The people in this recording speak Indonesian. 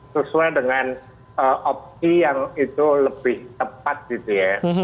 sesuai dengan opsi yang itu lebih tepat gitu ya